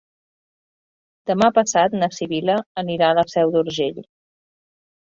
Demà passat na Sibil·la anirà a la Seu d'Urgell.